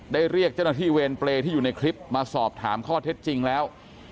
เรียกเจ้าหน้าที่เวรเปรย์ที่อยู่ในคลิปมาสอบถามข้อเท็จจริงแล้ว